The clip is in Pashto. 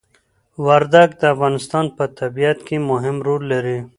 وردګ د افغانستان په طبيعت کي مهم ړول لري